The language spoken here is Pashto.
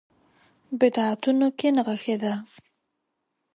بدعتونو کې نغښې ده.